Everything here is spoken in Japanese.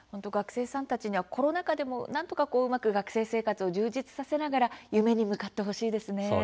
学生さんたちにはコロナ禍でも、なんとかうまく学生生活を充実させながら夢に向かってほしいですね。